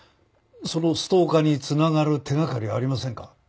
そのストーカーに繋がる手がかりありませんか？